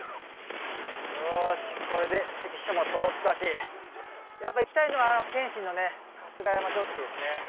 おしこれで関所も通ったしやっぱ行きたいのは謙信の春日山城跡ですね。